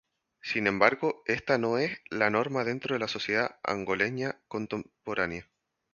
Sin embargo esta no es la norma dentro de la sociedad angoleña contemporánea.